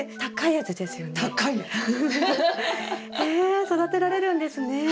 へえ育てられるんですね。